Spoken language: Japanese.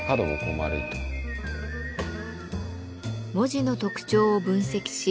文字の特徴を分析し